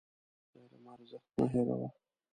د علم ارزښت مه هېروه.